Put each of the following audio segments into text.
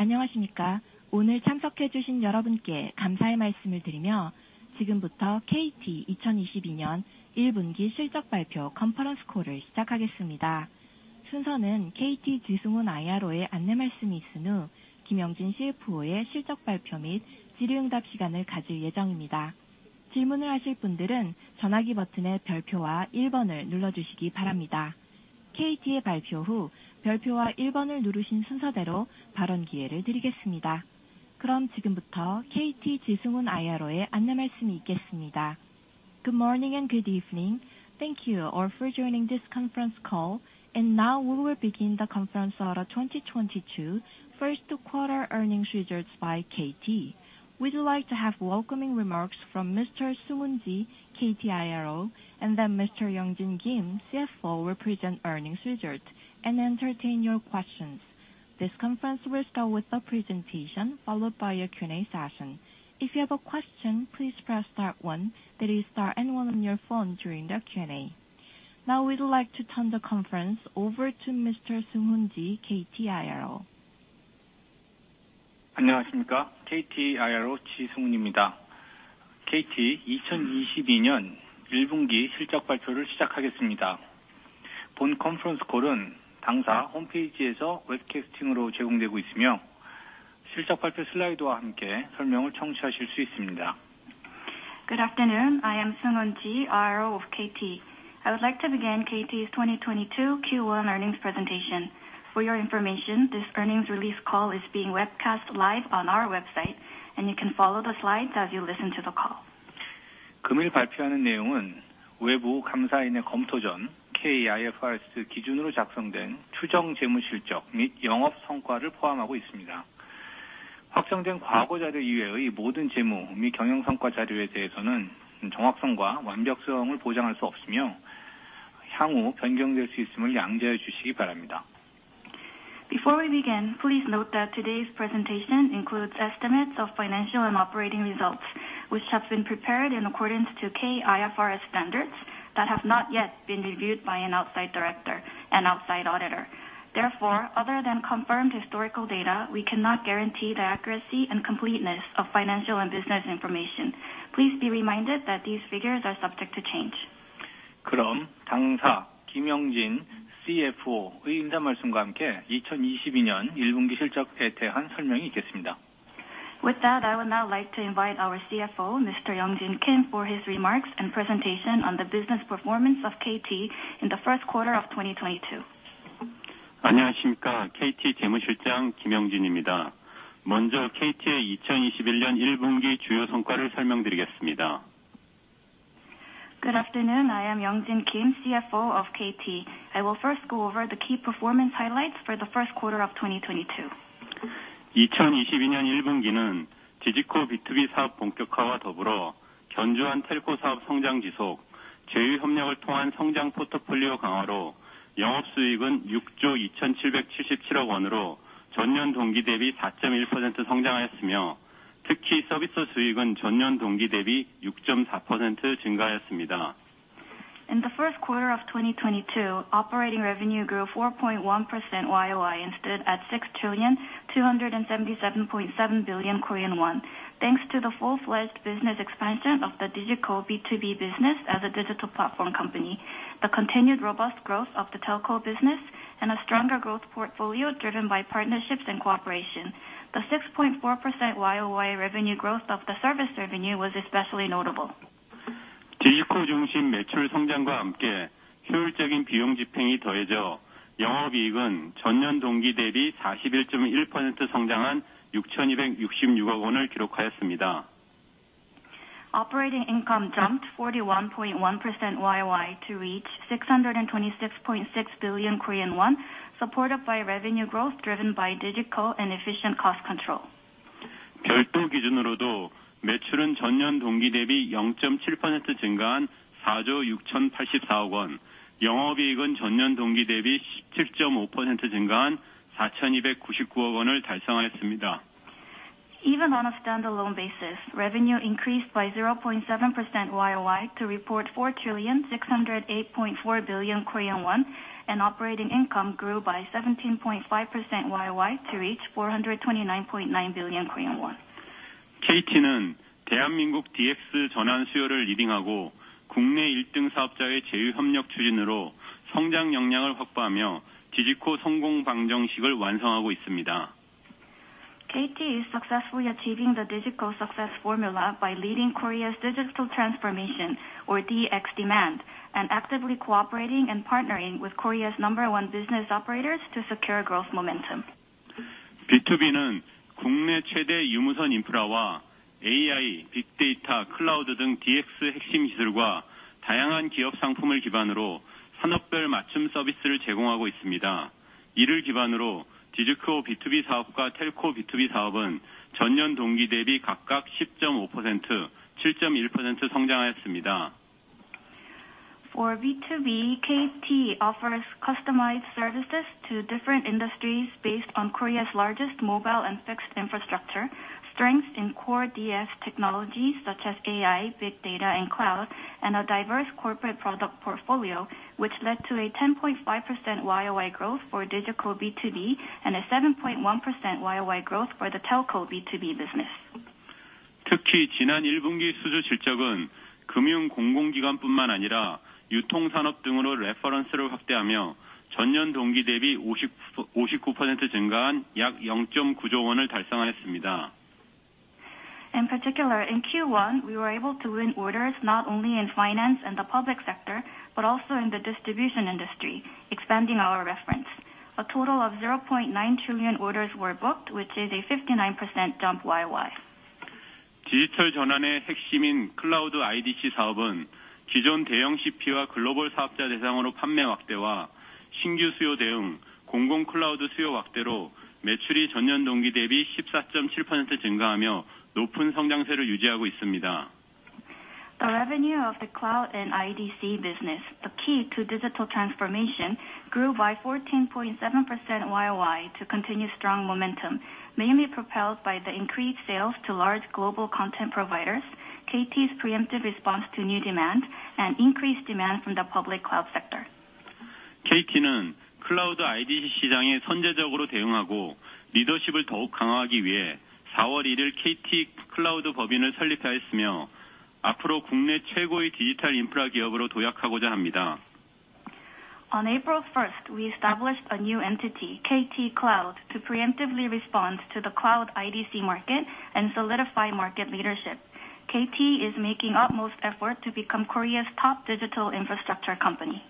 안녕하십니까? 오늘 참석해주신 여러분께 감사의 말씀을 드리며 지금부터 KT 2022년 1분기 실적발표 컨퍼런스 콜을 시작하겠습니다. 순서는 KT 지승훈 IRO의 안내 말씀이 있은 후 김영진 CFO의 실적발표 및 질의응답 시간을 가질 예정입니다. 질문을 하실 분들은 전화기 버튼의 별표와 1번을 눌러주시기 바랍니다. KT의 발표 후 별표와 1번을 누르신 순서대로 발언 기회를 드리겠습니다. 그럼 지금부터 KT 지승훈 IRO의 안내 말씀이 있겠습니다. Good morning and good evening. Thank you all for joining this conference call and now we will begin the conference call for 2022 first quarter earnings results by KT. We would like to have welcoming remarks from Mr. Seung-Hoon Chi, KT IRO, and then Mr. Young-Jin Kim, CFO will present earnings results and entertain your questions. This conference will start with the presentation, followed by a Q&A session. If you have a question, please press star one. That is star and one on your phone during the Q&A. Now we'd like to turn the conference over to Mr. Seung-Hoon Chi, KT IRO. 안녕하십니까? KT IRO 지승훈입니다. KT 2022년 1분기 실적발표를 시작하겠습니다. 본 컨퍼런스 콜은 당사 홈페이지에서 웹캐스팅으로 제공되고 있으며, 실적발표 슬라이드와 함께 설명을 청취하실 수 있습니다. Good afternoon. I am Seung-Hoon Chi, IRO of KT. I would like to begin KT's 2022 Q1 earnings presentation. For your information, this earnings release call is being webcast live on our website, and you can follow the slides as you listen to the call. 금일 발표하는 내용은 외부 감사인의 검토 전 K-IFRS 기준으로 작성된 추정 재무실적 및 영업 성과를 포함하고 있습니다. 확정된 과거 자료 이외의 모든 재무 및 경영 성과 자료에 대해서는 정확성과 완벽성을 보장할 수 없으며, 향후 변경될 수 있음을 양지해 주시기 바랍니다. Before we begin, please note that today's presentation includes estimates of financial and operating results, which have been prepared in accordance to K-IFRS standards that have not yet been reviewed by an outside director and outside auditor. Therefore, other than confirmed historical data, we cannot guarantee the accuracy and completeness of financial and business information. Please be reminded that these figures are subject to change. 그럼 당사 김영진 CFO의 인사 말씀과 함께 2022년 1분기 실적에 대한 설명이 있겠습니다. With that, I would now like to invite our CFO, Mr. Young-Jin Kim, for his remarks and presentation on the business performance of KT in the first quarter of 2022. 안녕하십니까? KT 재무실장 김영진입니다. 먼저 KT의 2021년 1분기 주요 성과를 설명드리겠습니다. Good afternoon. I am Young-Jin Kim, CFO of KT. I will first go over the key performance highlights for the first quarter of 2022. 2022년 1분기는 디지코 B2B 사업 본격화와 더불어 견조한 텔코 사업 성장 지속, 제휴 협력을 통한 성장 포트폴리오 강화로 영업수익은 6조 2,777억 원으로 전년 동기 대비 4.1% 성장하였으며, 특히 서비스 수익은 전년 동기 대비 6.4% 증가하였습니다. In the first quarter of 2022, operating revenue grew 4.1% YOY and stood at 6,277.7 billion Korean won. Thanks to the full-fledged business expansion of the digital B2B business as a digital platform company, the continued robust growth of the telco business and a stronger growth portfolio driven by partnerships and cooperation. The 6.4% YOY revenue growth of the service revenue was especially notable. 디지코 중심 매출 성장과 함께 효율적인 비용 집행이 더해져 영업이익은 전년 동기 대비 41.1% 성장한 6,266억 원을 기록하였습니다. Operating income jumped 41.1% YOY to reach 626.6 billion Korean won, supported by revenue growth driven by digital and efficient cost control. 별도 기준으로도 매출은 전년 동기 대비 0.7% 증가한 4조 6,084억 원, 영업이익은 전년 동기 대비 17.5% 증가한 4,299억 원을 달성하였습니다. Even on a standalone basis, revenue increased by 0.7% YOY to report 4,608.4 billion Korean won, and operating income grew by 17.5% YOY to reach 429.9 billion Korean won. KT는 대한민국 DX 전환 수요를 리딩하고 국내 1등 사업자의 제휴 협력 추진으로 성장 역량을 확보하며 디지코 성공 방정식을 완성하고 있습니다. KT is successfully achieving the digital success formula by leading Korea's digital transformation or DX demand, and actively cooperating and partnering with Korea's number one business operators to secure growth momentum. B2B는 국내 최대 유무선 인프라와 AI, 빅데이터, 클라우드 등 DX 핵심 기술과 다양한 기업 상품을 기반으로 산업별 맞춤 서비스를 제공하고 있습니다. 이를 기반으로 디지코 B2B 사업과 Telco B2B 사업은 전년 동기 대비 각각 10.5%, 7.1% 성장하였습니다. For B2B, KT offers customized services to different industries based on Korea's largest mobile and fixed infrastructure. Strengths in core DX technologies, such as AI, big data, and cloud, and a diverse corporate product portfolio, which led to a 10.5% YOY growth for digital B2B and a 7.1% YOY growth for the telco B2B business. In particular, in Q1, we were able to win orders not only in finance and the public sector, but also in the distribution industry, expanding our reference. A total of 0.9 trillion orders were booked, which is a 59% jump YOY. The revenue of the cloud and IDC business, the key to digital transformation, grew by 14.7% YOY to continue strong momentum, mainly propelled by the increased sales to large global content providers, KT's preemptive response to new demand, and increased demand from the public cloud sector. On April first, we established a new entity, KT Cloud, to preemptively respond to the cloud IDC market and solidify market leadership. KT is making utmost effort to become Korea's top digital infrastructure company.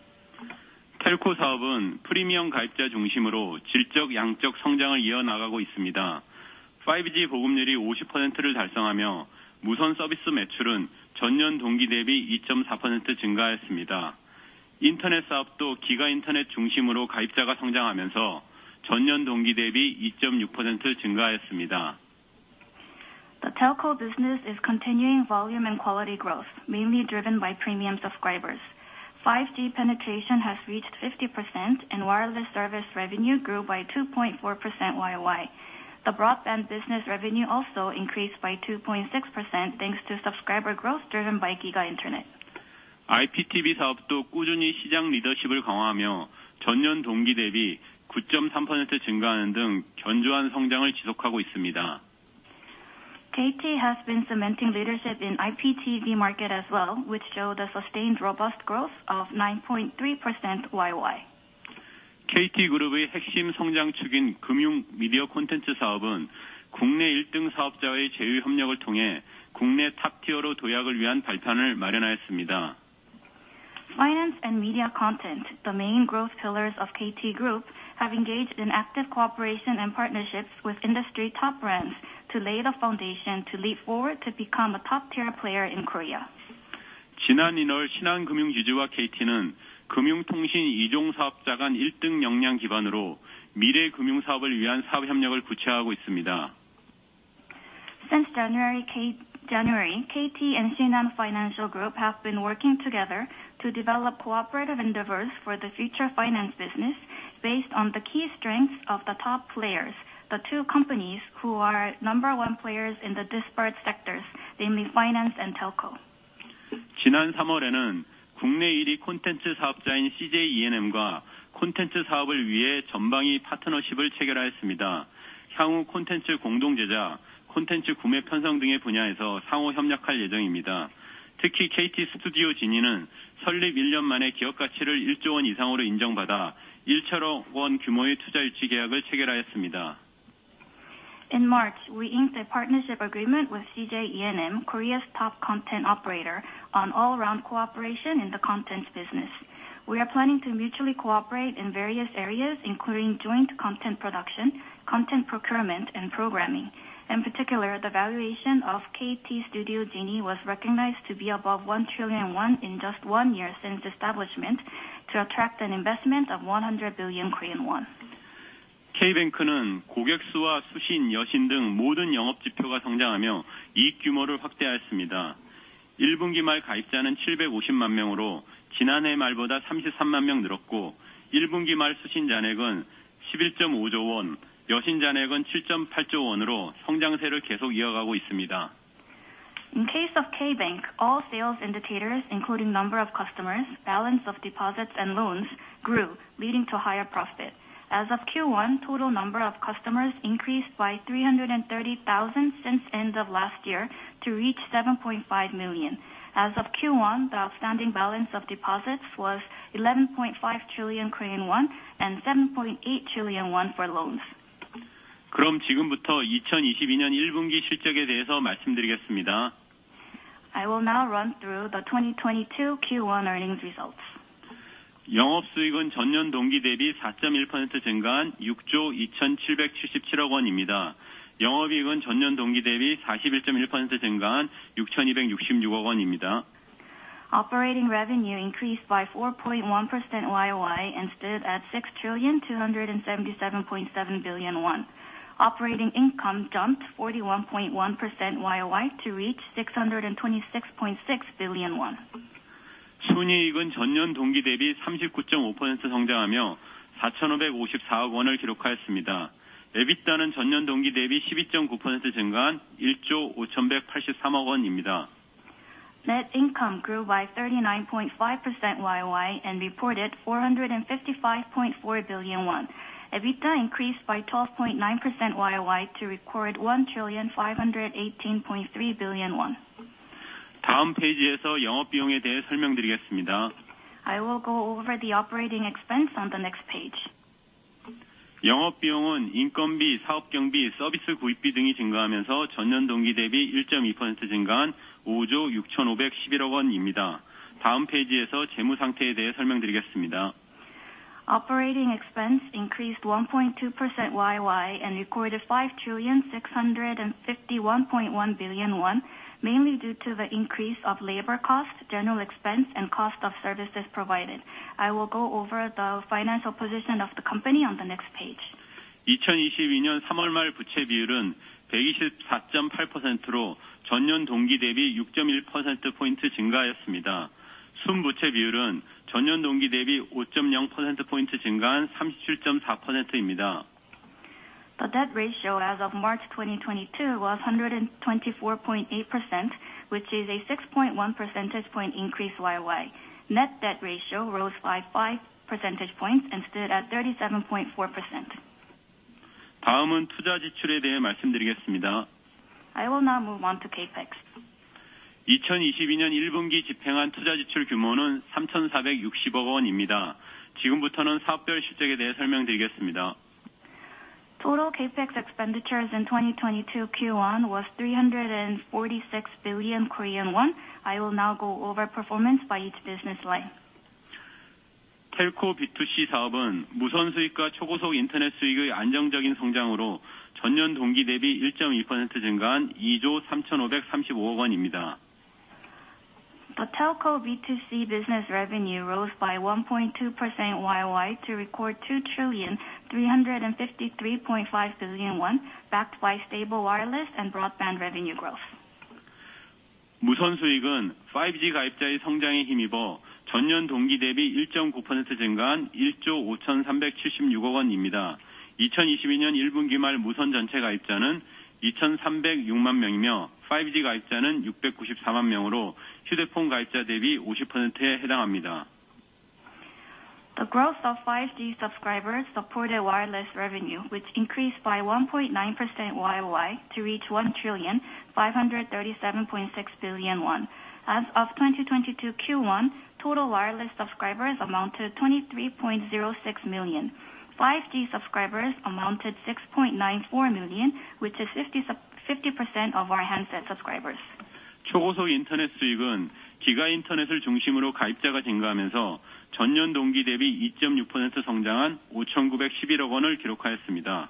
The telco business is continuing volume and quality growth, mainly driven by premium subscribers. 5G penetration has reached 50%, and wireless service revenue grew by 2.4% YOY. The broadband business revenue also increased by 2.6%, thanks to subscriber growth driven by GiGA Internet. KT has been cementing leadership in IPTV market as well, which showed a sustained robust growth of 9.3% YOY. Finance and media content, the main growth pillars of KT Group, have engaged in active cooperation and partnerships with industry top brands to lay the foundation to leap forward to become a top-tier player in Korea. Since January, KT and Shinhan Financial Group have been working together to develop cooperative endeavors for the future finance business based on the key strengths of the top players, the two companies who are number one players in the disparate sectors, namely finance and telco. In March, we inked a partnership agreement with CJ ENM, Korea's top content operator, on all-around cooperation in the content business. We are planning to mutually cooperate in various areas, including joint content production, content procurement, and programming. In particular, the valuation of KT Studio Genie was recognized to be above 1 trillion won in just one year since establishment to attract an investment of 100 billion Korean won. In case of K Bank, all sales indicators, including number of customers, balance of deposits and loans, grew, leading to higher profit. As of Q1, total number of customers increased by 330,000 since end of last year to reach 7.5 million. As of Q1, the outstanding balance of deposits was 11.5 trillion Korean won and 7.8 trillion won for loans. I will now run through the 2022 Q1 earnings results. Operating revenue increased by 4.1% YOY and stood at 6,277.7 billion. Operating income jumped 41.1% YOY to reach 626.6 billion won. 순이익은 전년 동기 대비 39.5% 성장하며 4,554억 원을 기록하였습니다. EBITDA는 전년 동기 대비 12.9% 증가한 1조 5,183억 원입니다. Net income grew by 39.5% YOY and reported 455.4 billion won. EBITDA increased by 12.9% YOY to record 1,518.3 billion won. 다음 페이지에서 영업비용에 대해 설명드리겠습니다. I will go over the operating expense on the next page. 영업비용은 인건비, 사업경비, 서비스 구입비 등이 증가하면서 전년 동기 대비 1.2% 증가한 5조 6,511억 원입니다. 다음 페이지에서 재무 상태에 대해 설명드리겠습니다. Operating expense increased 1.2% YOY and recorded 5,651.1 billion won, mainly due to the increase of labor cost, general expense and cost of services provided. I will go over the financial position of the company on the next page. 2022년 3월 말 부채 비율은 124.8%로 전년 동기 대비 6.1%p 증가하였습니다. 순부채 비율은 전년 동기 대비 5.0%p 증가한 37.4%입니다. The debt ratio as of March 2022 was 124.8%, which is a 6.1% increase YOY. Net debt ratio rose by 5% and stood at 37.4%. 다음은 투자 지출에 대해 말씀드리겠습니다. I will now move on to CapEx. 2022년 1분기 집행한 투자 지출 규모는 3,460억 원입니다. 지금부터는 사업별 실적에 대해 설명드리겠습니다. Total CapEx expenditures in 2022 Q1 was 346 billion Korean won. I will now go over performance by each business line. Telco B2C 사업은 무선 수익과 초고속 인터넷 수익의 안정적인 성장으로 전년 동기 대비 1.2% 증가한 2조 3,535억 원입니다. The Telco B2C business revenue rose by 1.2% YOY to record 2,353.5 billion won, backed by stable wireless and broadband revenue growth. 무선 수익은 5G 가입자의 성장에 힘입어 전년 동기 대비 1.9% 증가한 1조 5,376억 원입니다. 2022년 1분기 말 무선 전체 가입자는 2,306만 명이며, 5G 가입자는 694만 명으로 휴대폰 가입자 대비 50%에 해당합니다. The growth of 5G subscribers supported wireless revenue, which increased by 1.9% YOY to reach 1,537.6 billion won. As of 2022 Q1, total wireless subscribers amounted 23.06 million. 5G subscribers amounted 6.94 million, which is 50% of our handset subscribers. 초고속 인터넷 수익은 GiGA 인터넷을 중심으로 가입자가 증가하면서 전년 동기 대비 2.6% 성장한 5,911억 원을 기록하였습니다.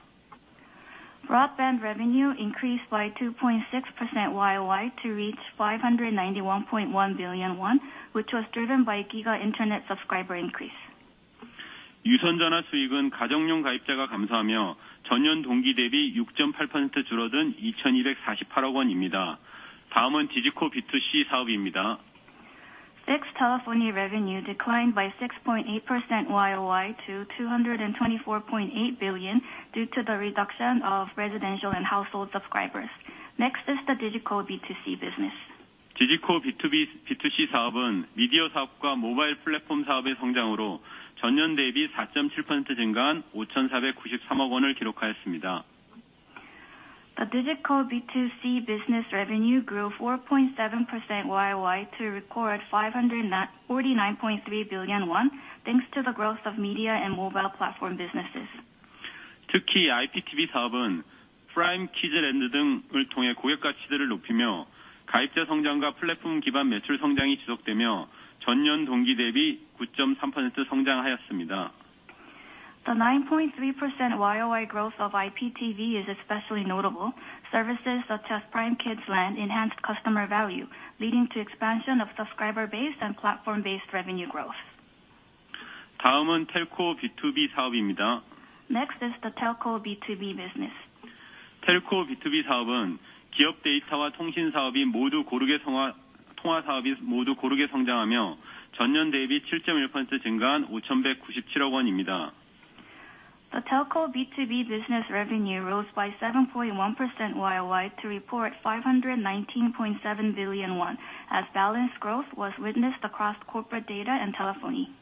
Broadband revenue increased by 2.6% YOY to reach 591.1 billion won, which was driven by GiGA Internet subscriber increase. 유선전화 수익은 가정용 가입자가 감소하며 전년 동기 대비 6.8% 줄어든 2,248억 원입니다. 다음은 디지코 B2C 사업입니다. Fixed telephony revenue declined by 6.8% YOY to 224.8 billion due to the reduction of residential and household subscribers. Next is the Digico B2C business. 디지코 B2B, B2C 사업은 미디어 사업과 모바일 플랫폼 사업의 성장으로 전년 대비 4.7% 증가한 5,493억 원을 기록하였습니다. The Digico B2C business revenue grew 4.7% YOY to record 549.3 billion won, thanks to the growth of media and mobile platform businesses. 특히 IPTV 사업은 Kids Land 등을 통해 고객 가치들을 높이며, 가입자 성장과 플랫폼 기반 매출 성장이 지속되며 전년 동기 대비 9.3% 성장하였습니다. The 9.3% YOY growth of IPTV is especially notable. Services such as Kids Land enhanced customer value, leading to expansion of subscriber base and platform-based revenue growth. 다음은 Telco B2B 사업입니다. Next is the Telco B2B business. Telco B2B 사업은 기업 데이터와 통신 사업이 모두 고르게 성장하며 전년 대비 7.1% 증가한 5,197억 원입니다. The Telco B2B business revenue rose by 7.1% YOY to report 519.7 billion won. As balanced growth was witnessed across corporate data and telephony.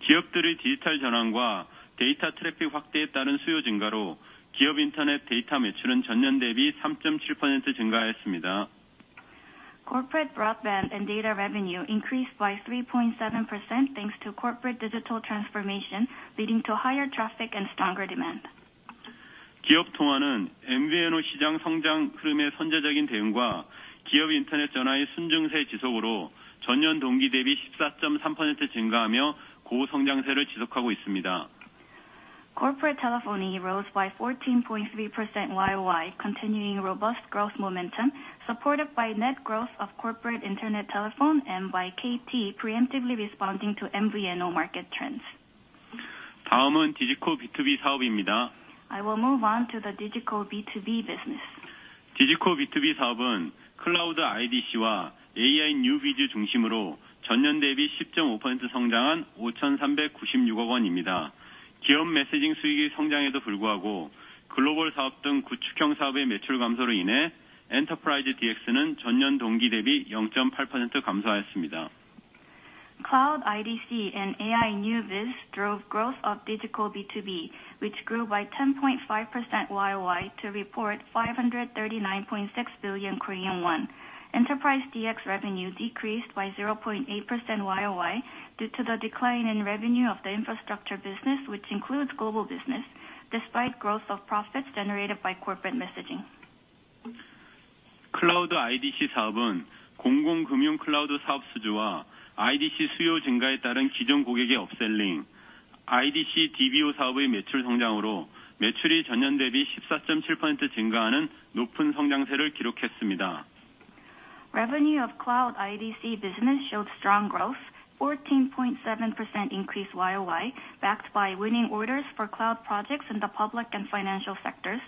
기업들의 디지털 전환과 데이터 트래픽 확대에 따른 수요 증가로 기업 인터넷 데이터 매출은 전년 대비 3.7% 증가하였습니다. Corporate broadband and data revenue increased by 3.7%, thanks to corporate digital transformation, leading to higher traffic and stronger demand. 기업 통화는 MVNO 시장 성장 흐름의 선제적인 대응과 기업 인터넷 전화의 순증세 지속으로 전년 동기 대비 14.3% 증가하며 고성장세를 지속하고 있습니다. Corporate telephony rose by 14.3% YOY, continuing robust growth momentum supported by net growth of corporate internet telephone and by KT preemptively responding to MVNO market trends. 다음은 디지코 B2B 사업입니다. I will move on to the digital B2B business. 디지코 B2B 사업은 클라우드 IDC와 AI New Biz 중심으로 전년 대비 10.5% 성장한 5,396억 원입니다. 기업 메시징 수익의 성장에도 불구하고 글로벌 사업 등 구축형 사업의 매출 감소로 인해 Enterprise DX는 전년 동기 대비 0.8% 감소하였습니다. Cloud IDC and AI New Biz drove growth of digital B2B, which grew by 10.5% YOY to report 539.6 billion Korean won. Enterprise DX revenue decreased by 0.8% YOY due to the decline in revenue of the infrastructure business, which includes global business despite growth of profits generated by corporate messaging. 클라우드 IDC 사업은 공공 금융 클라우드 사업 수주와 IDC 수요 증가에 따른 기존 고객의 업셀링, IDC DBO 사업의 매출 성장으로 매출이 전년 대비 14.7% 증가하는 높은 성장세를 기록했습니다. Revenue of cloud IDC business showed strong growth, 14.7% increase YOY, backed by winning orders for cloud projects in the public and financial sectors.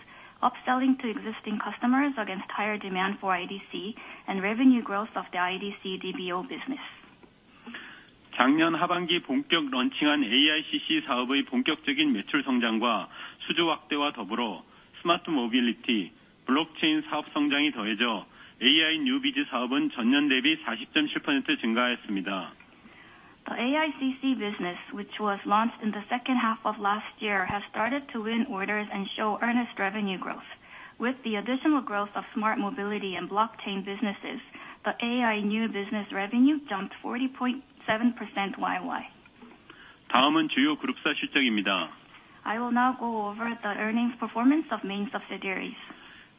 Upselling to existing customers against higher demand for IDC and revenue growth of the IDC DBO business. 작년 하반기 본격 런칭한 AICC 사업의 본격적인 매출 성장과 수주 확대와 더불어 스마트 모빌리티, 블록체인 사업 성장이 더해져 AI New Biz 사업은 전년 대비 40.7% 증가하였습니다. The AICC business, which was launched in the second half of last year, has started to win orders and show earnest revenue growth. With the additional growth of smart mobility and blockchain businesses, the AI New Biz revenue jumped 40.7% YOY. 다음은 주요 그룹사 실적입니다. I will now go over the earnings performance of main subsidiaries.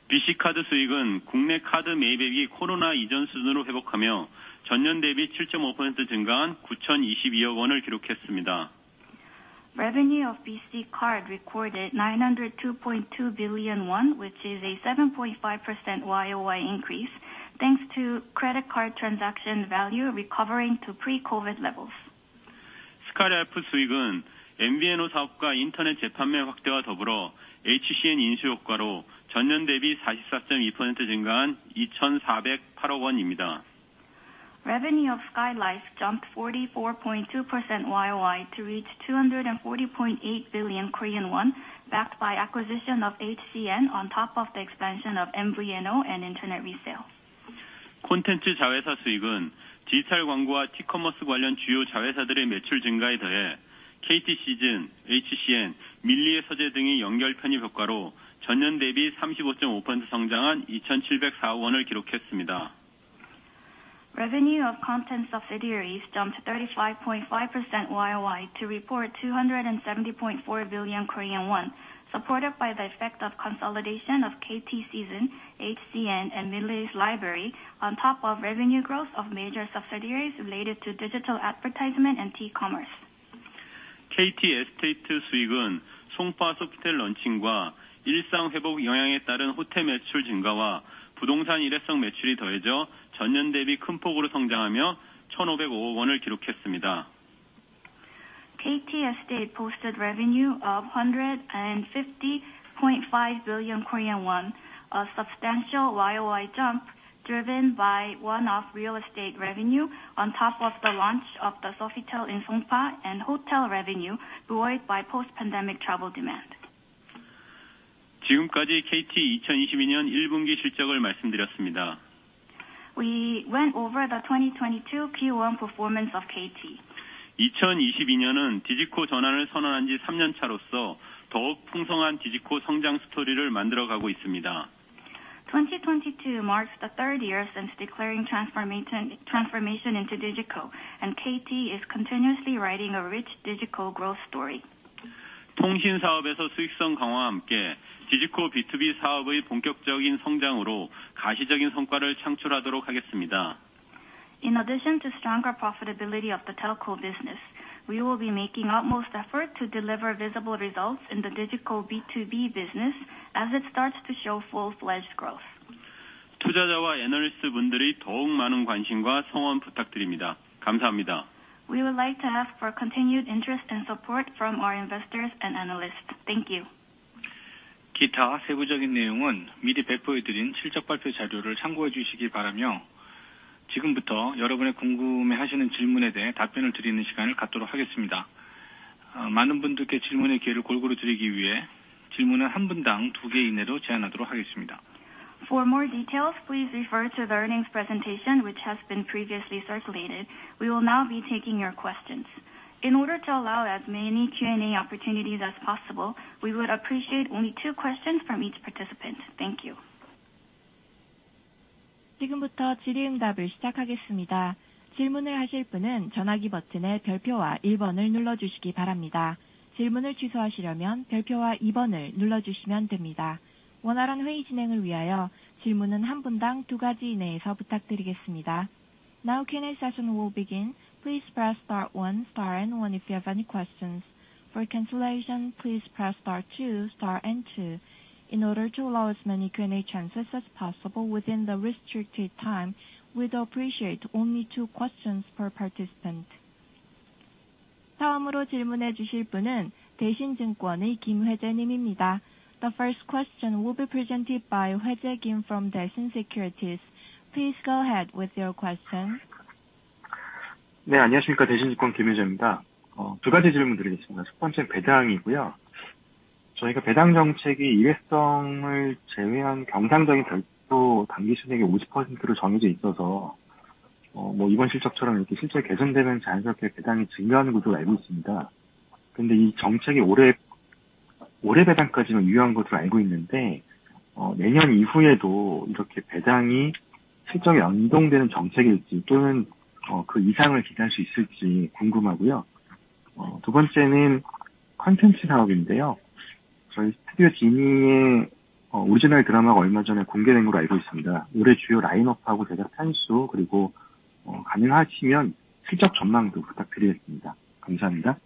BC카드 수익은 국내 카드 매입액이 코로나 이전 수준으로 회복하며 전년 대비 7.5% 증가한 9,022억 원을 기록했습니다. Revenue of BC Card recorded 902.2 billion won, which is a 7.5% YOY increase, thanks to credit card transaction value recovering to pre-COVID levels. 스카이라이프 수익은 MVNO 사업과 인터넷 재판매 확대와 더불어 HCN 인수 효과로 전년 대비 44.2% 증가한 2,408억 원입니다. Revenue of KT Skylife jumped 44.2% YOY to reach 240.8 billion Korean won, backed by acquisition of HCN on top of the expansion of MVNO and internet resale. 콘텐츠 자회사 수익은 디지털 광고와 T커머스 관련 주요 자회사들의 매출 증가에 더해 KT 시즌, HCN, 밀리의 서재 등의 연결 편입 효과로 전년 대비 35.5% 성장한 2,704억 원을 기록했습니다. Revenue of content subsidiaries jumped 35.5% YOY to report 270.4 billion Korean won, supported by the effect of consolidation of KT Seezn, HCN and Millie's Library on top of revenue growth of major subsidiaries related to digital advertisement and T-commerce. KT 에스테이트 수익은 송파 소피텔 런칭과 일상 회복 영향에 따른 호텔 매출 증가와 부동산 일회성 매출이 더해져 전년 대비 큰 폭으로 성장하며 1,505억 원을 기록했습니다. KT Estate posted revenue of 150.5 billion Korean won, a substantial YOY jump driven by one-off real estate revenue on top of the launch of the Sofitel in Songpa and hotel revenue buoyed by post-pandemic travel demand. 지금까지 KT 2022년 1분기 실적을 말씀드렸습니다. We went over the 2022 Q1 performance of KT. 2022년은 디지코 전환을 선언한 지 3년 차로서 더욱 풍성한 디지코 성장 스토리를 만들어 가고 있습니다. 2022 marks the third year since declaring transformation into digital, and KT is continuously writing a rich digital growth story. 통신 사업에서 수익성 강화와 함께 디지코 B2B 사업의 본격적인 성장으로 가시적인 성과를 창출하도록 하겠습니다. In addition to stronger profitability of the telco business, we will be making utmost effort to deliver visible results in the digital B2B business as it starts to show full-fledged growth. 투자자와 애널리스트분들의 더욱 많은 관심과 성원 부탁드립니다. 감사합니다. We would like to ask for continued interest and support from our investors and analysts. Thank you. 기타 세부적인 내용은 미리 배포해 드린 실적 발표 자료를 참고해 주시기 바라며, 지금부터 여러분이 궁금해하시는 질문에 대해 답변을 드리는 시간을 갖도록 하겠습니다. 많은 분들께 질문의 기회를 골고루 드리기 위해 질문은 한 분당 두개 이내로 제한하도록 하겠습니다. For more details, please refer to the earnings presentation, which has been previously circulated. We will now be taking your questions. In order to allow as many Q&A opportunities as possible, we would appreciate only two questions from each participant. Thank you. 지금부터 질의응답을 시작하겠습니다. 질문을 하실 분은 전화기 버튼의 별표와 1번을 눌러주시기 바랍니다. 질문을 취소하시려면 별표와 2번을 눌러주시면 됩니다. 원활한 회의 진행을 위하여 질문은 한 분당 두 가지 이내에서 부탁드리겠습니다. Now Q&A session will begin. Please press star one, star and one if you have any questions. For cancellation, please press star two, star and two. In order to allow as many Q&A chances as possible within the restricted time, we'd appreciate only two questions per participant. The first question will be presented by Hoi Jae Kim from Daishin Securities. Please go ahead with your question. Ne, annyeonghasimnikka. Daishin Securities Kim Hoi-Jae imnida. du gaji jeulmun dreurigetsmida. Seotbanjjen baedangiguyo. Johega baedang jeongchaegi ilesaengeul jeoehan gyeongsangjeogin byolsso danggi sunige 50%로 jeonhidoe isseoseo, mo ibon siljokcheoreom ilke siljeogi gaesandeumyeon jansungbwa haeo baedangi jeungnyuhaneun gudoro algo isseumida. Geunde i jeongchaegi ole baedangkkajiman yuhyang gosiro algo inneunde, nae nyun ihueodo ilreoke baedangi siljeoge yeongdongdweuneun jeongchaegilji, ttoeneun, geu isangeul gidaehal su isseulji gunggeumhaguyo. du banjjaeneun content sanghabindeoyo. Johi Studio Genie-e, original drama-ga olma jeone gonggae daengo algo isseumida. Ole ju yo lain eopeuhaeo jaejak sansu, geurigo, ganeuhasimyeon siljok jeonmangdo butakdurigetsmida. Gamsahamnida.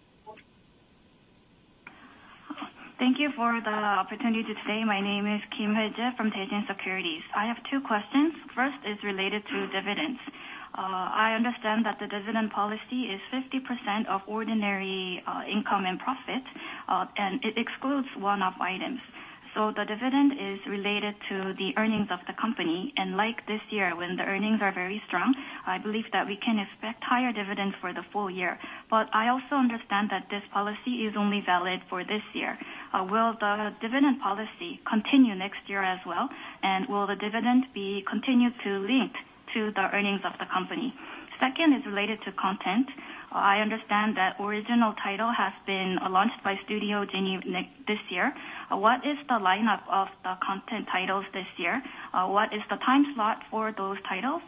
Thank you for the opportunity today. My name is Kim Hoi-Jae from Daishin Securities. I have two questions. First is related to dividends. I understand that the dividend policy is 50% of ordinary income and profit, and it excludes one-off items. The dividend is related to the earnings of the company. Like this year, when the earnings are very strong, I believe that we can expect higher dividends for the full year. I also understand that this policy is only valid for this year. Will the dividend policy continue next year as well? Will the dividend be continued to link to the earnings of the company? Second is related to content. I understand that original title has been launched by Studio Genie in this year. What is the lineup of the content titles this year? What is the time slot for those titles?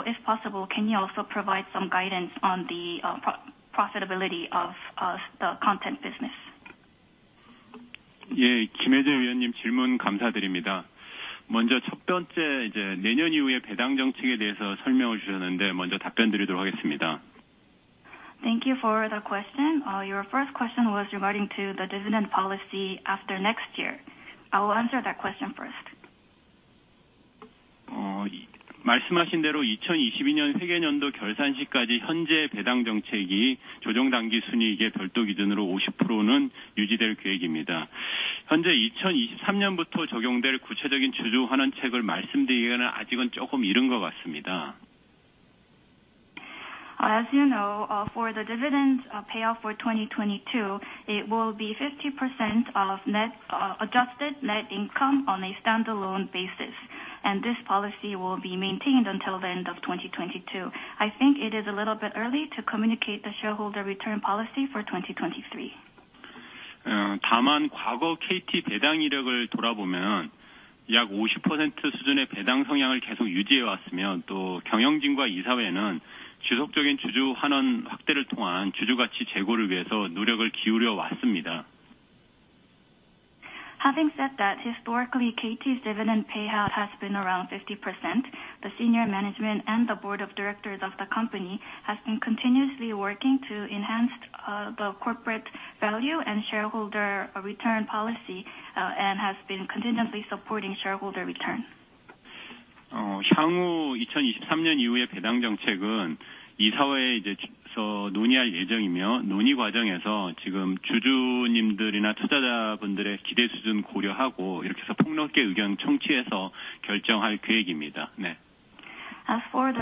If possible, can you also provide some guidance on the profitability of the content business? Ne, Kim Hoi-Jae wiwon nim, jilmun gamsahamnida. Meonjeo sangban-gi, ije naenyeon ihu baedang jeongchaek-e daehayeo seolmyeonghaejusyeotneunde, meonjeo dae-eun deuryeodo hagoessseumnida. Thank you for the question. Your first question was regarding to the dividend policy after next year. I will answer that question first. Uh, malseumhasindaero ichi sen iju ni nyun hoegye nyondo gyeolsansi kkaji hyonjae baedang jeongchaegi jojeong danggi sunigae byeoldo gijuneuro osipuroneun yuji doel gwaegimnida. Hyeonje ichi sen i sam nyunbuteo jeogyeong doel guchejeogin juju hwanun chaegul malseumduriage neuna ajigeun jogeum ireun geo gatsseumida. As you know, for the dividend payout for 2022, it will be 50% of net adjusted net income on a standalone basis, and this policy will be maintained until the end of 2022. I think it is a little bit early to communicate the shareholder return policy for 2023. Uh, dama gago KT baedang iryeogeul dorabomyeon yak osiposeunto sudune baedang seongyang을 gyesok yujihaewasseumyeon, tto gyeongyeongjin-gwa isahoe-neun jiseokjeogin juju hwanun hwakdaereul tonghan juju gachi jaego를 wihaeso nuryeogeul giuryeowasseumida. Having said that, historically, KT's dividend payout has been around 50%. The senior management and the board of directors of the company has been continuously working to enhance, the corporate value and shareholder, return policy, and has been continuously supporting shareholder return. Uh, hangu ichi sen i sam nyun ihue baedang jeongchaeg-eun isahoe-e, ije, jeseo nonihal jaejongimyo, noni gwagyeongeseo jigeum juju nimdeurina chudajabundeure gidae sudun goryeohago, ilreokeseo pongneokge uigyeong cheongchihaeseo gyeoljeonghal gwaegimnida. Ne. As for the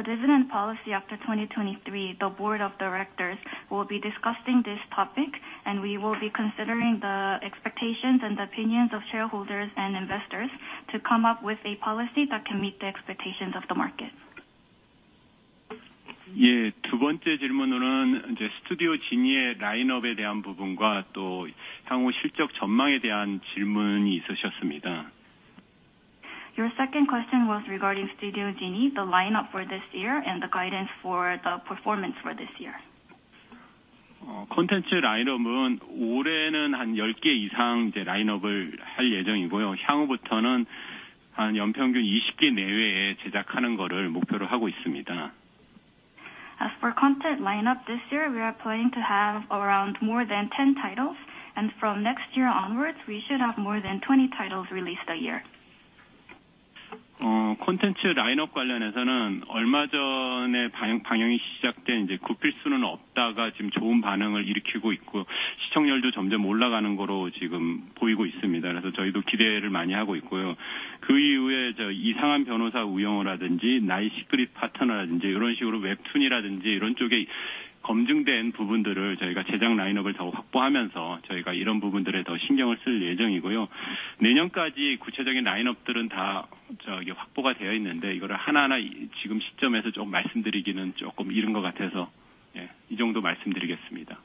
dividend policy after 2023, the board of directors will be discussing this topic, and we will be considering the expectations and opinions of shareholders and investors to come up with a policy that can meet the expectations of the market. Ye, du banjjae jeulmun-euneun, ije Studio Genie-e lain eope daeun bubongwa tto hangu siljok jeonmang-e daeun jeulmun-i isusseossseumida. Your second question was regarding Studio Genie, the lineup for this year, and the guidance for the performance for this year. Content line eopeun ole-neun han yeolgge i sang, ije, line eopeul hal jaejeongimyo. Hangubteoneun han yeon pyeonggyun isi kke naeeoe jejakhaneungeoreul mogbyoro hago isseumida. As for content lineup this year, we are planning to have around more than 10 titles, and from next year onwards, we should have more than 20 titles released a year. Content lineup gwanlyeohaeseoneun olma jeone bangyeong-i sijak doen, Gu Pilsu-neun Eop-daga jigeum joeun bang-eung-eul ilkihogo itgo, sichyeongyeoldo jeomjeom ollaganeungeoro jigeum boigo isseumida. Joihido gidaereul manhi hago itgoyo. Isanghan Byeonhosa Woo Young-woo radengi, My Secret Partner radengi, ireon sigiro webtoon radengi, ireon joge geomjeungdoen bubundeureul joihga jaejak lineup eul deo hwakbohamyeonseo, joihga ireon bubundeure deo singyeong-eul sseul jaejeongigoyo. Nae nyun kkaji guchejeogin lineupdeureun da hwakboha doeo issneunde, ireoreul hana-hana jigeum sigteomeseo jogeum malseumdreurigeneun jogeum ireun geo gataseo, i jeongdo malseumdreurigesseumida.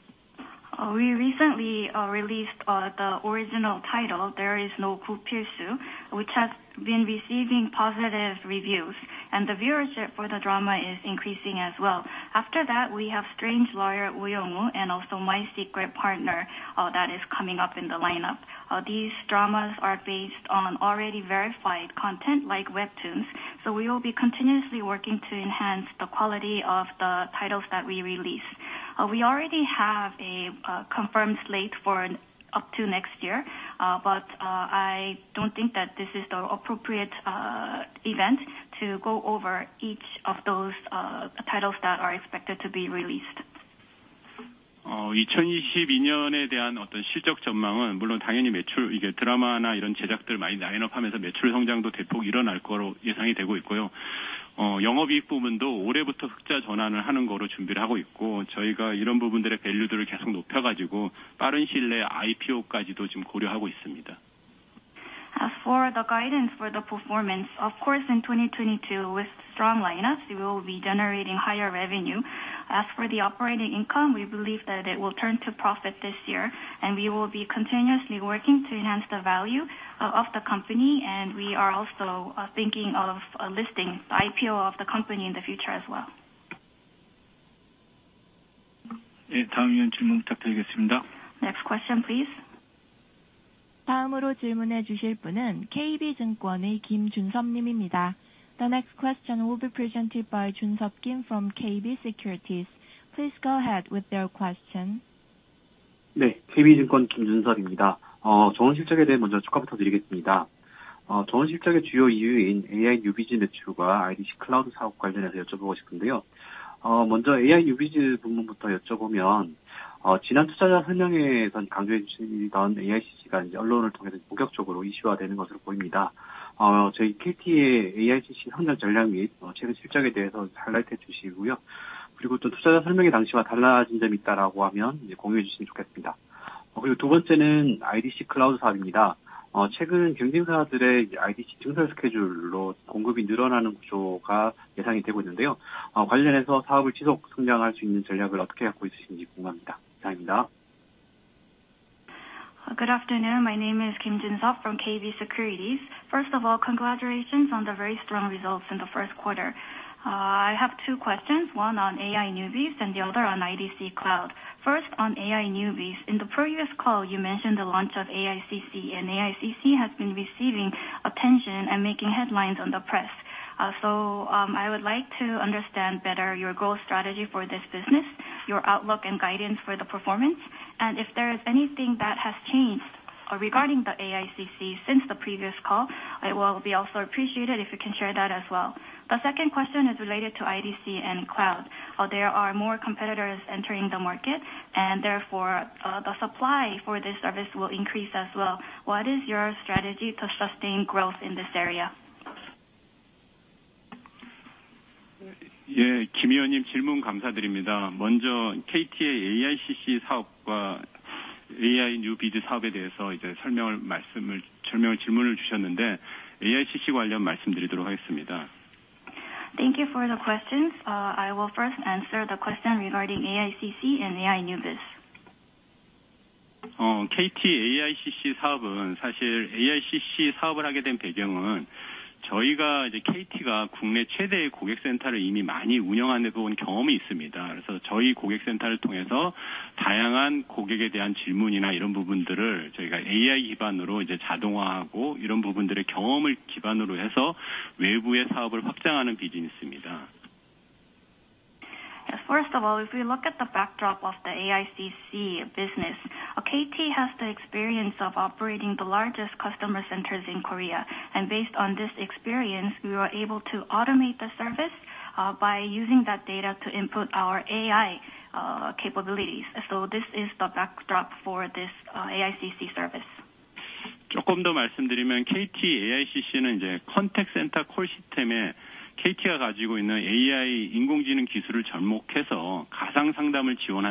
We recently released the original title, There is No Gu Pil-soo, which has been receiving positive reviews, and the viewership for the drama is increasing as well. After that, we have Extraordinary Attorney Woo Young-woo, and also My Secret Partner that is coming up in the lineup. These dramas are based on already verified content like webtoons, so we will be continuously working to enhance the quality of the titles that we release. We already have a confirmed slate for up to next year. I don't think that this is the appropriate event to go over each of those titles that are expected to be released. Uh, For the guidance for the performance, of course, in 2022 with strong lineups, we will be generating higher revenue. As for the operating income, we believe that it will turn to profit this year, and we will be continuously working to enhance the value of the company, and we are also thinking of listing IPO of the company in the future as well. Next question, please. The next question will be presented by Seokjun Kim from KB Securities. Please go ahead with your question. Good afternoon. My name is Seokjun Kim from KB Securities. First of all, congratulations on the very strong results in the first quarter. I have two questions, one on AI New Biz and the other on IDC Cloud. First on AI New Biz. In the previous call, you mentioned the launch of AICC, and AICC has been receiving attention and making headlines on the press. I would like to understand better your growth strategy for this business, your outlook and guidance for the performance, and if there is anything that has changed regarding the AICC since the previous call. I will be also appreciated if you can share that as well. The second question is related to IDC and cloud. There are more competitors entering the market and therefore, the supply for this service will increase as well. What is your strategy to sustain growth in this area? Thank you for the questions. I will first answer the question regarding AICC and AI New Biz. Yes. First of all, if we look at the backdrop of the AICC business, KT has the experience of operating the largest customer centers in Korea, and based on this experience, we were able to automate the service, by using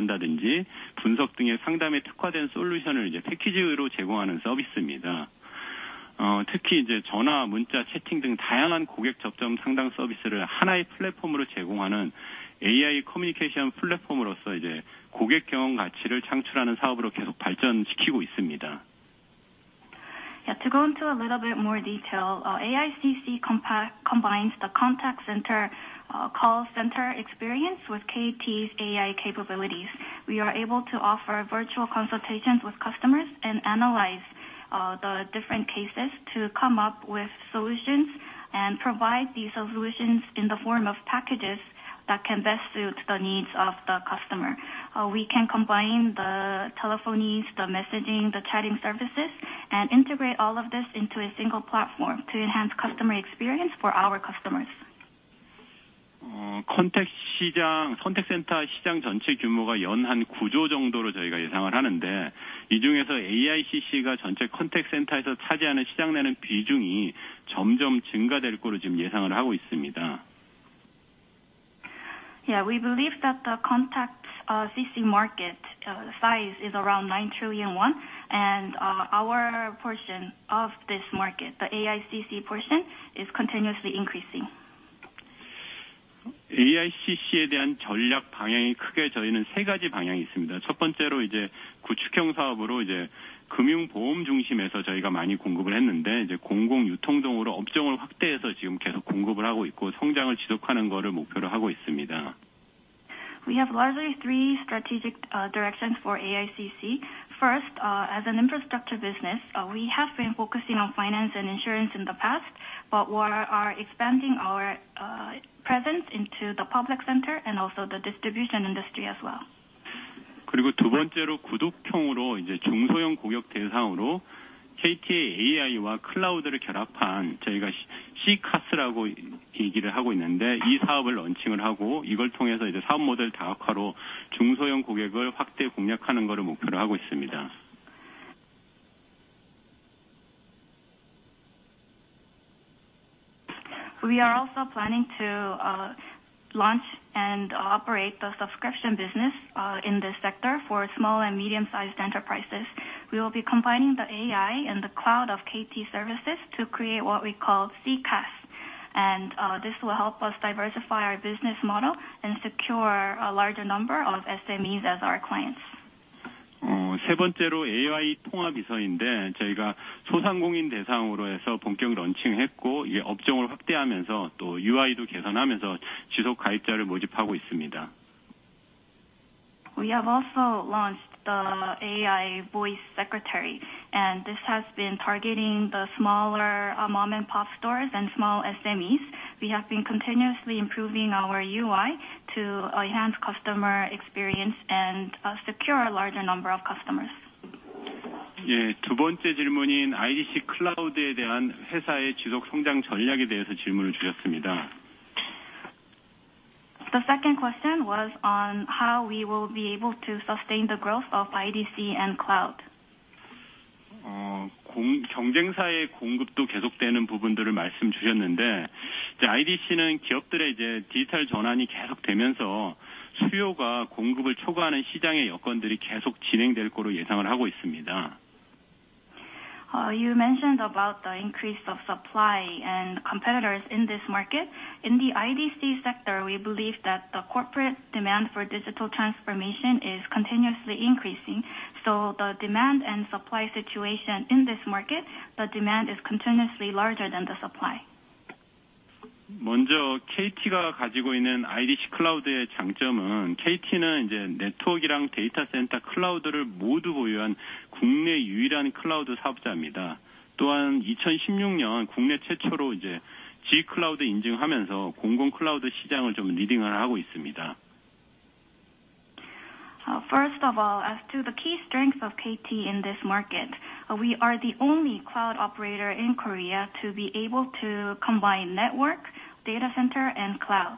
that data to input our AI capabilities. This is the backdrop for this AICC service. To go into a little bit more detail, AICC combines the contact center, call center experience with KT's AI capabilities. We are able to offer virtual consultations with customers and analyze the different cases to come up with solutions and provide these solutions in the form of packages that can best suit the needs of the customer. We can combine the telephony, the messaging, the chatting services, and integrate all of this into a single platform to enhance customer experience for our customers. We believe that the contact CC market size is around 9 trillion and our portion of this market, the AICC portion, is continuously increasing. We have largely three strategic directions for AICC. First, as an infrastructure business, we have been focusing on finance and insurance in the past. We are expanding our presence into the public sector and also the distribution industry as well. We are also planning to launch and operate the subscription business in this sector for small and medium-sized enterprises. We will be combining the AI and the cloud of KT services to create what we call CCaaS. This will help us diversify our business model and secure a larger number of SMEs as our clients. We have also launched the AI voice secretary, and this has been targeting the smaller mom-and-pop stores and small SMEs. We have been continuously improving our UI to enhance customer experience and secure a larger number of customers. The second question was on how we will be able to sustain the growth of IDC and cloud. You mentioned about the increase of supply and competitors in this market. In the IDC sector, we believe that the corporate demand for digital transformation is continuously increasing. The demand and supply situation in this market, the demand is continuously larger than the supply. First of all, as to the key strengths of KT in this market, we are the only cloud operator in Korea to be able to combine network, data center and cloud.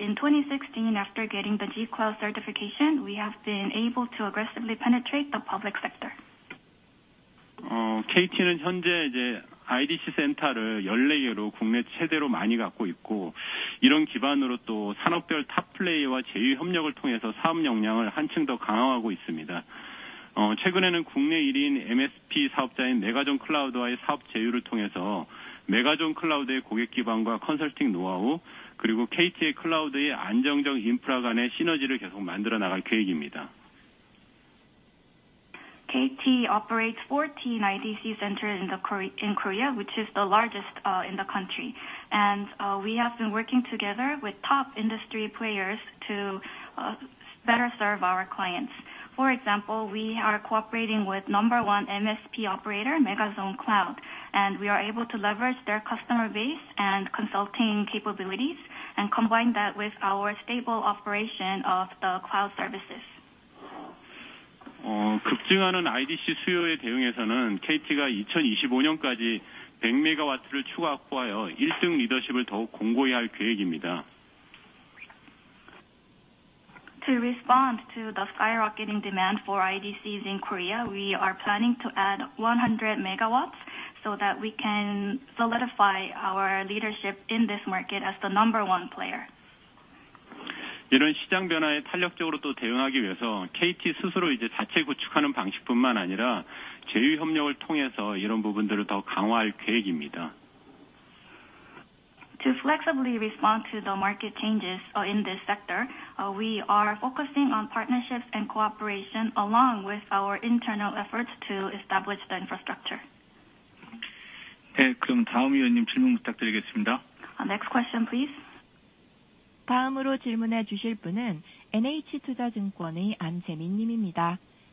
In 2016, after getting the G-Cloud certification, we have been able to aggressively penetrate the public sector. KT operates 14 IDC centers in Korea, which is the largest in the country. We have been working together with top industry players to better serve our clients. For example, we are cooperating with number one MSP operator, Megazone Cloud, and we are able to leverage their customer base and consulting capabilities and combine that with our stable operation of the cloud services. To respond to the skyrocketing demand for IDCs in Korea, we are planning to add 100 megawatts so that we can solidify our leadership in this market as the number one player. To flexibly respond to the market changes, in this sector, we are focusing on partnerships and cooperation along with our internal efforts to establish the infrastructure. Next question, please.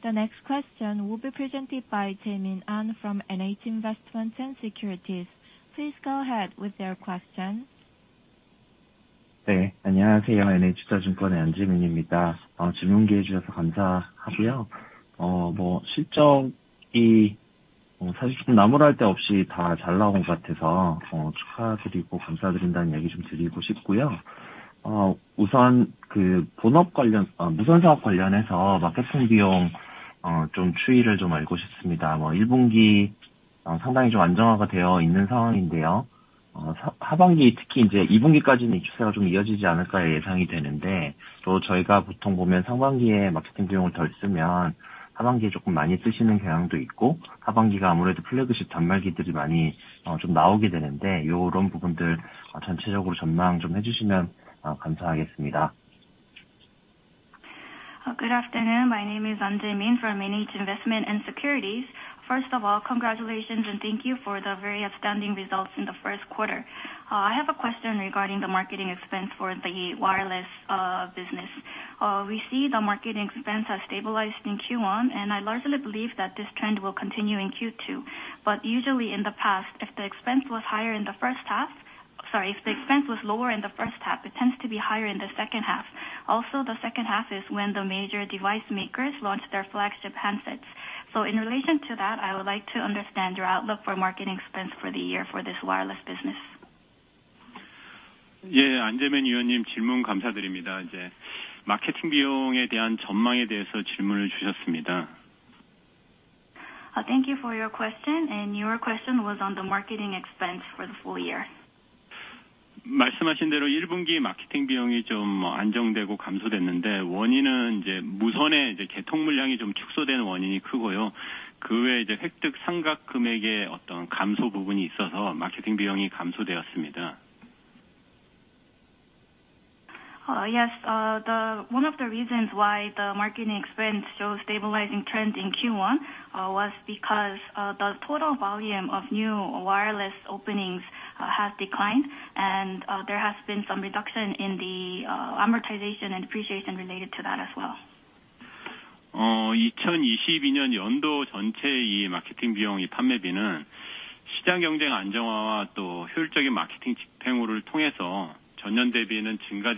The next question will be presented by Jaemin Ahn from NH Investment & Securities. Please go ahead with your questions. Good afternoon. My name is Jaemin Ahn from NH Investment & Securities. First of all, congratulations and thank you for the very outstanding results in the first quarter. I have a question regarding the marketing expense for the wireless business. We see the marketing expense has stabilized in Q1, and I largely believe that this trend will continue in Q2. Usually in the past, if the expense was lower in the first half, it tends to be higher in the second half. Also, the second half is when the major device makers launch their flagship handsets. In relation to that, I would like to understand your outlook for marketing expense for the year for this wireless business. Thank you for your question. Your question was on the marketing expense for the full year. Yes. One of the reasons why the marketing expense shows stabilizing trend in Q1 was because the total volume of new wireless openings has declined and there has been some reduction in the amortization and depreciation related to that as well. As for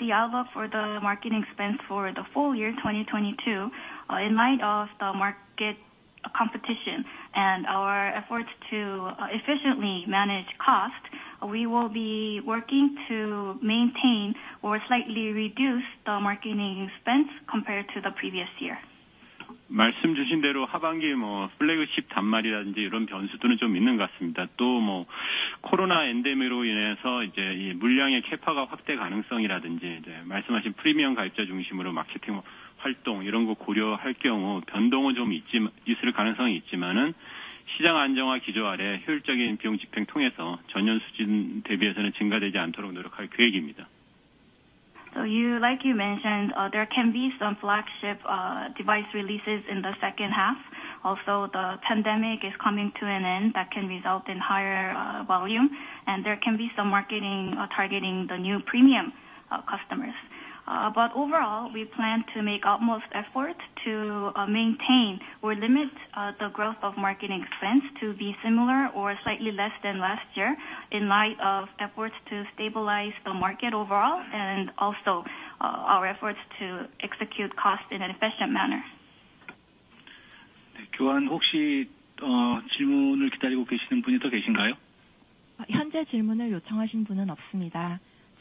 the outlook for the marketing expense for the full year 2022, in light of the market competition and our efforts to efficiently manage cost, we will be working to maintain or slightly reduce the marketing expense compared to the previous year. You, like you mentioned, there can be some flagship device releases in the second half. Also, the pandemic is coming to an end that can result in higher volume, and there can be some marketing targeting the new premium customers. Overall, we plan to make utmost effort to maintain or limit the growth of marketing expense to be similar or slightly less than last year in light of efforts to stabilize the market overall, and also our efforts to execute cost in an efficient manner.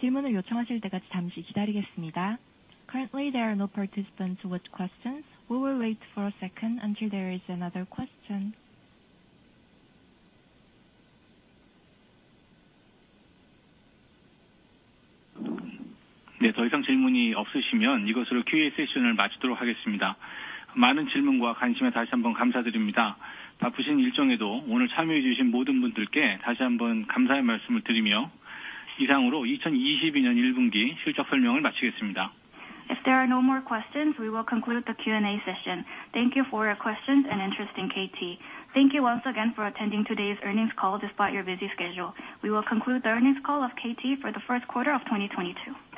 Currently, there are no participants with questions. We will wait for a second until there is another question. If there are no more questions, we will conclude the Q&A session. Thank you for your questions and interest in KT. Thank you once again for attending today's earnings call despite your busy schedule. We will conclude the earnings call of KT for the first quarter of 2022.